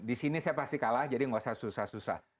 di sini saya pasti kalah jadi nggak usah susah susah